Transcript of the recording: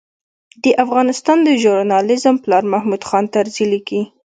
د افغانستان د ژورنالېزم پلار محمود خان طرزي لیکي.